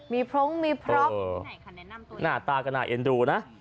มีพร้งมีพร็อกหน้าตาก็น่าเอ็นดูนะ